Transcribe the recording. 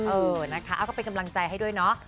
เออนะคะก็เป็นกำลังใจให้ด้วยเนาะ